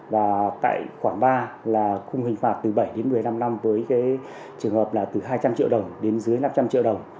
và tại khoản ba là khung hình phạt từ bảy đến một mươi năm năm với trường hợp là từ hai trăm linh triệu đồng đến dưới năm trăm linh triệu đồng